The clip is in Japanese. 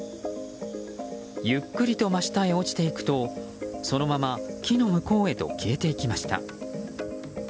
ゆっくりと真下へ落ちていくとそのまま木の向こうへと消えていきました。